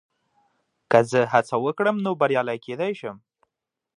که زه هڅه وکړم، نو بریالی کېدای شم.